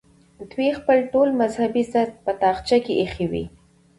دوی خپل ټول مذهبي ضد په تاخچه کې ایښی وي.